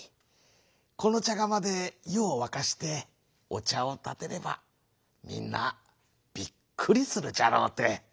このちゃがまでゆをわかしておちゃをたてればみんなびっくりするじゃろうて。